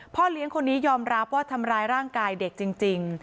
เลี้ยงคนนี้ยอมรับว่าทำร้ายร่างกายเด็กจริง